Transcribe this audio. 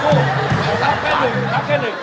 ครับผม